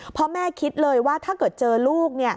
แม่คิดเลยว่าถ้าเกิดเจอลูก